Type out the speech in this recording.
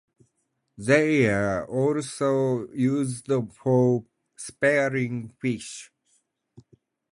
They are also used for spearing fish.